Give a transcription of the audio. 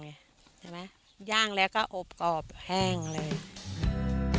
ใช่ไหมย่างแล้วก็อบกรอบแห้งเลย